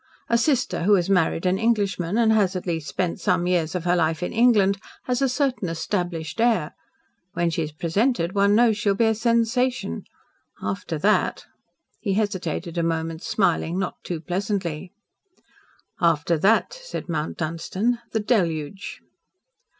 A sister who has married an Englishman and has at least spent some years of her life in England has a certain established air. When she is presented one knows she will be a sensation. After that " he hesitated a moment, smiling not too pleasantly. "After that," said Mount Dunstan, "the Deluge."